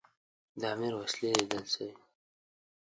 د امیر وسلې لیدل سوي.